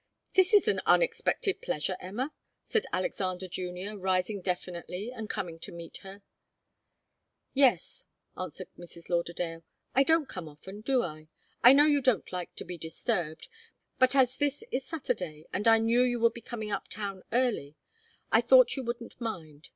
"This is an unexpected pleasure, Emma," said Alexander Junior, rising definitely and coming to meet her. "Yes," answered Mrs. Lauderdale. "I don't often come, do I? I know you don't like to be disturbed. But as this is Saturday, and I knew you would be coming up town early, I thought you wouldn't mind.